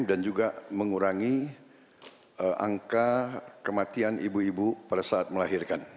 dan juga mengurangi angka kematian ibu ibu pada saat melahirkan